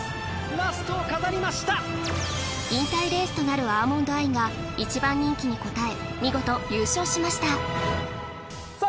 ラストを飾りました引退レースとなるアーモンドアイが一番人気に応え見事優勝しましたさあ